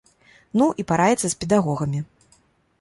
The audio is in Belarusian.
Ну, і параіцца з педагогамі.